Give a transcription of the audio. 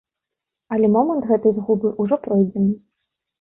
Але момант гэтай згубы ўжо пройдзены.